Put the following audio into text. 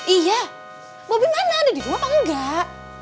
iya bobby mana ada di rumah apa enggak